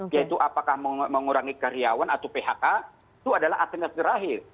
yaitu apakah mengurangi karyawan atau phk itu adalah alternatif terakhir